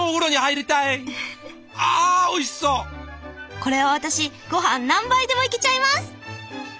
これは私御飯何杯でもいけちゃいます。